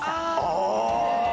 ああ！